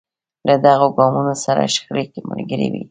له دغو ګامونو سره شخړې ملګرې وې.